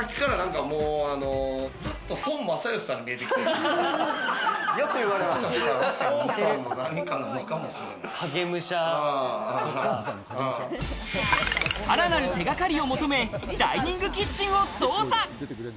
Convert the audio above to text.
さらなる手がかりを求めダイニングキッチンを捜査。